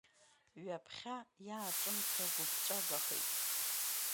Ҩаԥхьа иааҿымҭра гәыԥҵәагахеит.